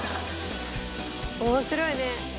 面白いね。